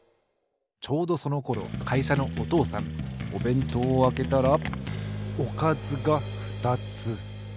ちょうどそのころかいしゃのお父さんおべんとうをあけたらおかずがふたつ。